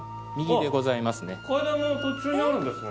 階段の途中にあるんですね。